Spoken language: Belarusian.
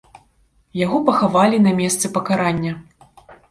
Яго пахавалі на месцы пакарання.